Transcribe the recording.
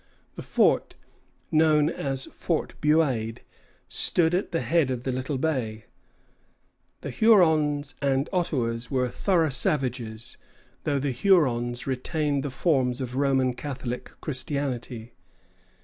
The fort, known as Fort Buade, stood at the head of the little bay. The Hurons and Ottawas were thorough savages, though the Hurons retained the forms of Roman Catholic Christianity.